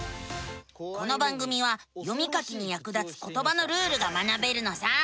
この番組は読み書きにやく立つことばのルールが学べるのさ。